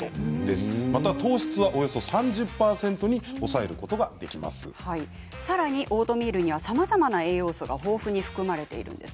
また糖質はおよそ３０％にさらにオートミールにはさまざまな栄養素が豊富に含まれているんです。